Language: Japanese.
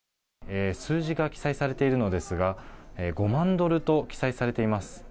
数字が記載されているのですが５万ドルと記載されています。